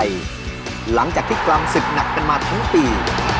ทีมชาติไทยหลังจากที่กลำศึกหนักกันมาทั้งปี